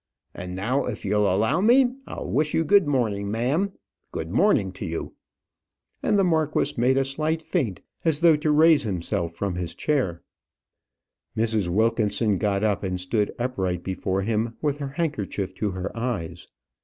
And now, if you'll allow me, I'll wish you good morning, ma'am. Good morning to you." And the marquis made a slight feint, as though to raise himself from his chair. Mrs. Wilkinson got up, and stood upright before him, with her handkerchief to her eyes.